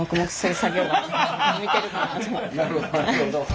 なるほど。